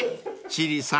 ［千里さん